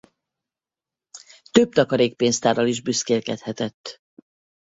Több takarékpénztárral is büszkélkedhetett.